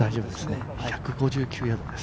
１５９ヤードです。